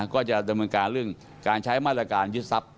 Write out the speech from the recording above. ก็จะดำเนินการเรื่องการใช้มาตรการยึดทรัพย